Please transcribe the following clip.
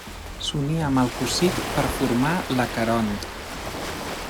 S'unia amb el Cocit per formar l'Aqueront.